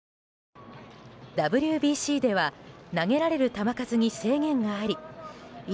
ＷＢＣでは投げられる球数に制限があり１